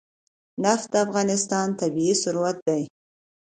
نفت د افغانستان طبعي ثروت دی.